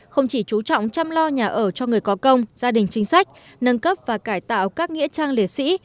không chỉ chú trọng chăm lo nhà ở cho người có công gia đình chính sách nâng cấp và cải tạo các nghĩa trang liệt sĩ